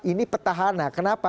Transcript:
ini petahana kenapa